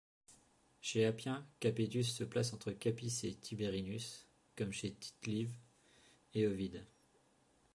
Chez Appien, Capetus se place entre Capys et Tiberinus, comme chez Tite-Live et Ovide.